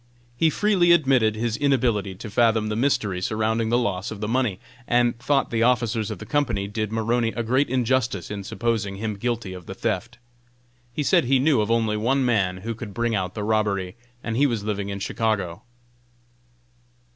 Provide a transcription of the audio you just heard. He freely admitted his inability to fathom the mystery surrounding the loss of the money, and thought the officers of the company did Maroney a great injustice in supposing him guilty of the theft. He said he knew of only one man who could bring out the robbery, and he was living in Chicago.